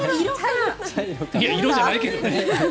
色じゃないけどね。